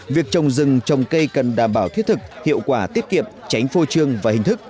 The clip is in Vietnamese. việc trồng rừng trồng cây cần đảm bảo thiết thực hiệu quả tiết kiệm tránh phô trương và hình thức